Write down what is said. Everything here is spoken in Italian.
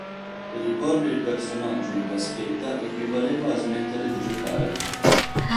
Riporre il personaggio in vaschetta equivaleva a smettere di giocare.